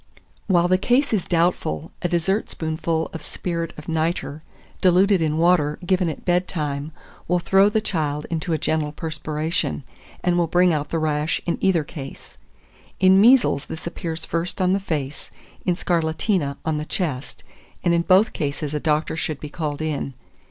2411. While the case is doubtful, a dessert spoonful of spirit of nitre diluted in water, given at bedtime, will throw the child into a gentle perspiration, and will bring out the rash in either case. In measles, this appears first on the face; in scarlatina, on the chest; and in both cases a doctor should be called in.